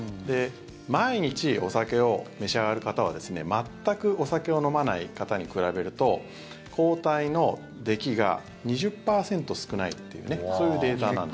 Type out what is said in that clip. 毎日お酒を召し上がる方は全くお酒を飲まない方に比べると抗体の出来が２０％少ないっていう結構大きい。